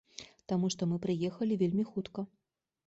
Таму што мы прыехалі вельмі хутка.